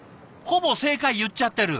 ほぼ正解言っちゃってる。